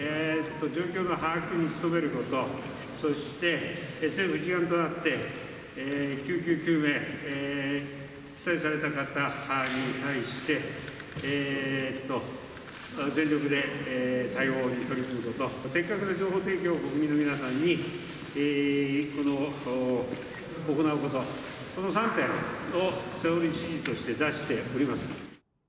状況の把握に努めること、そして政府一丸となって救急救命、被災された方に対して、全力で対応に取り組むこと、的確な情報提供を国民の皆さんに行うこと、この３点を総理指示として出しております。